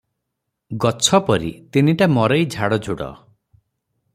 ଗଛ ପରି ତିନିଟା ମରେଇ ଝାଡ଼ଝୁଡ଼ ।